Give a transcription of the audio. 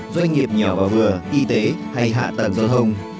doanh nghiệp nhỏ và vừa y tế hay hạ tầng giao thông